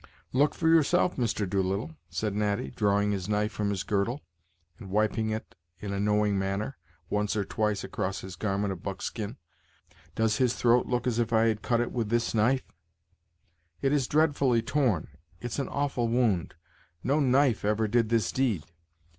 "Look for yourself, Mr. Doolittle," said Natty, drawing his knife from his girdle, and wiping it in a knowing manner, once or twice across his garment of buckskin; "does his throat look as if I had cut it with this knife?" "It is dreadfully torn! it's an awful wound no knife ever did this deed.